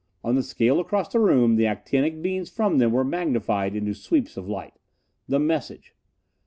On the scale across the room the actinic beams from them were magnified into sweeps of light. The message!